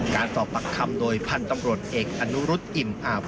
การสอบปากคำโดยพันธ์ตำรวจเอกอนุรุษอิ่มอาบ